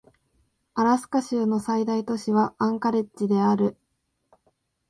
アラスカ州の最大都市はアンカレッジである